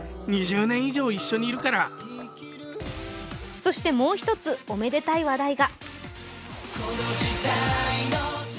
そしてもう一つおめでたい話題が。